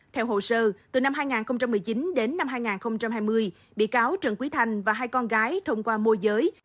theo hồ sơ từ năm hai nghìn một mươi chín đến năm hai nghìn hai mươi bị cáo trần quý thanh và hai con gái thông qua mô giới